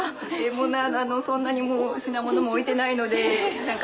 そんなにもう品物も置いてないので何か。